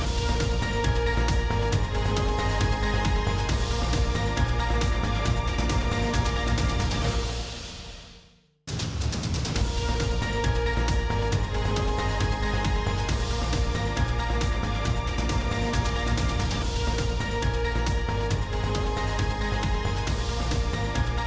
โปรดติดตามตอนต่อไป